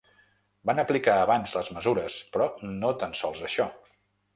Van aplicar abans les mesures, però no tan sols això.